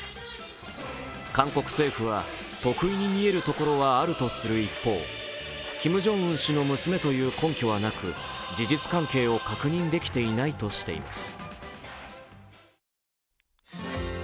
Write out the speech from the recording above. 韓国政府は、特異に見えるところはあるとする一方、キム・ジョンウン氏の娘という根拠はなく事実関係を確認できていないとしています。